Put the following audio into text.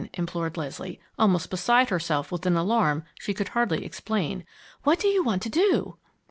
implored Leslie, almost beside herself with an alarm she could hardly explain. "What do you want to do?"